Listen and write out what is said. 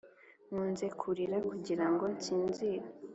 nkunze kurira kugira ngo nsinzire;